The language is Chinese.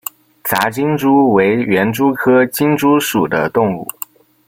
杂金蛛为园蛛科金蛛属的动物。